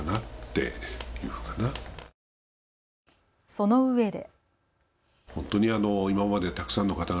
そのうえで。